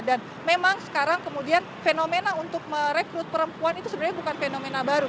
dan memang sekarang kemudian fenomena untuk merekrut perempuan itu sebenarnya bukan fenomena baru